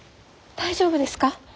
大丈夫ですか？